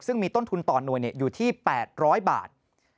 ซึ่งมีต้นทุนต่อหน่วยอยู่ที่๘๐๐บาท